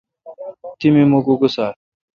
تی می مکھ اکسال۔